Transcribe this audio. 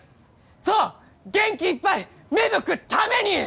そう元気いっぱい芽吹くために！